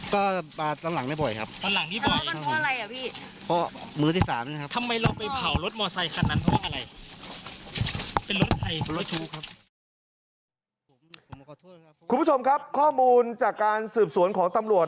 คุณผู้ชมครับข้อมูลจากการสืบสวนของตำรวจ